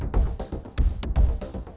ya ada tiga orang